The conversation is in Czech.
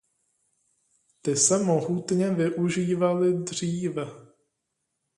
Ty se mohutně využívaly dříve.